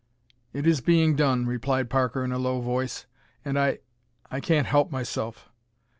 "It is being done," replied Parker, in a low voice. "And I I can't help myself!"